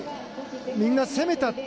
みんな攻めたって。